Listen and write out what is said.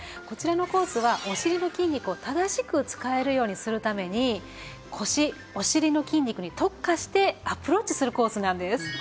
こちらのコースはお尻の筋肉を正しく使えるようにするために腰お尻の筋肉に特化してアプローチするコースなんです。